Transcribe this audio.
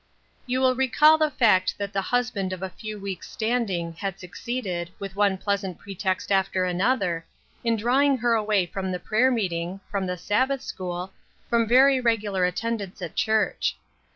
You will recall the fact that the husband of a few weeks' standing had succeeded, with one pleas ant pretext after another, in drawing her away from the prayer meeting, from the Sabbath school, from very regular attendance at church.